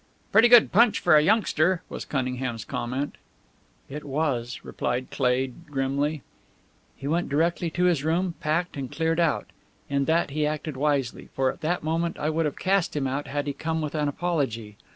"Pretty good punch for a youngster," was Cunningham's comment. "It was," replied Cleigh, grimly. "He went directly to his room, packed, and cleared out. In that he acted wisely, for at that moment I would have cast him out had he come with an apology.